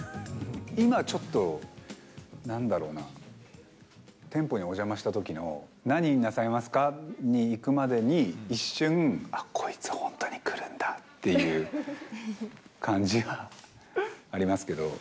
今ちょっとなんだろうな、店舗にお邪魔したときの、何になさいますか？にいくまでに、一瞬、あっ、こいつ本当に来るんだっていう感じはありますけど。